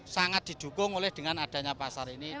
sangat didukung oleh dengan adanya pasar ini